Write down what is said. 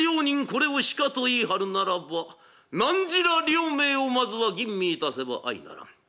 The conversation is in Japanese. これを鹿と言い張るならばなんじら両名をまずは吟味いたせば相ならん。